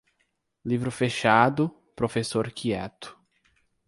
Livro fechado, professor quieto.